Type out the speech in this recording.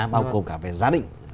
bao gồm cả về giá định